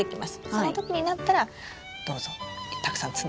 その時になったらどうぞたくさん摘んでください。